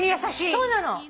そうなの。